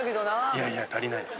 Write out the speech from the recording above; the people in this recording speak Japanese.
いやいや足りないです。